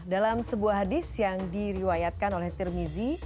dalam sebuah hadis yang diriwayatkan oleh tirmizi